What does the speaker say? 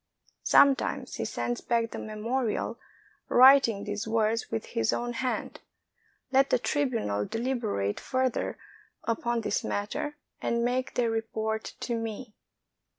Sometimes he sends back the memorial, writing these words with his own hand, "Let the tribunal deliberate further upon this matter and make their report to me."